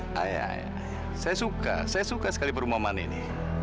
saya suka saya suka sekali perumahan ini